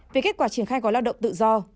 về kết quả triển khai gói lao động tự do